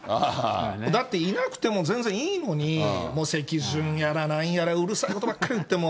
だっていなくても全然いいのに、もう席順やら何やら、うるさいことばっかり言って。